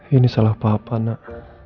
ini salah papa nak